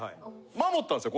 守ったんですよ